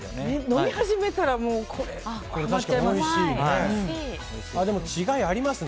飲み始めからこれ、ハマっちゃいます。